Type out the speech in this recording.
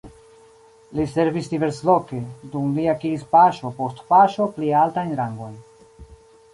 Li servis diversloke, dum li akiris paŝo post paŝo pli altajn rangojn.